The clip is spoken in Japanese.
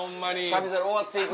『旅猿』終わっていく。